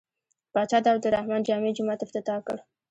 پاچا د عبدالرحمن جامع جومات افتتاح کړ.